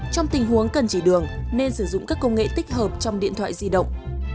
trong tình huống cần chỉ đường nên sử dụng các công nghệ tích hợp trong điện thoại di động